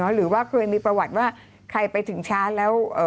หรือว่าเคยมีประวัติว่าใครไปถึงช้าแล้ว